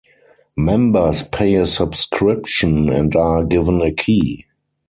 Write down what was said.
Members pay a subscription, and are given a key.